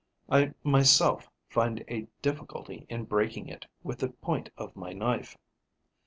I myself find a difficulty in breaking it with the point of my knife.